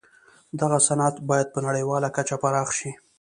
دغه صنعت بايد په نړيواله کچه پراخ شي.